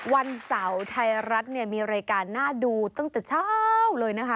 วันเสาร์ไทยรัฐเนี่ยมีรายการน่าดูตั้งแต่เช้าเลยนะคะ